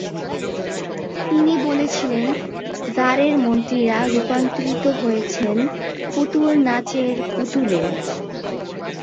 তিনি বলেছিলেন, জারের মন্ত্রীরা রূপান্তরিত হয়েছেন পুতুল নাচের পুতুলে।